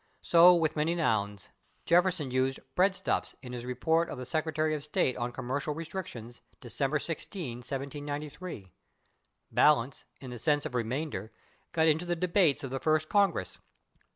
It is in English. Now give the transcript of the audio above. So with many nouns. Jefferson used /breadstuffs/ in his Report of the Secretary of State on Commercial Restrictions, December 16, 1793. /Balance/, in the sense of remainder, got into the debates of the First Congress.